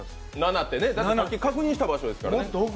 だってさっき確認した場所ですからね。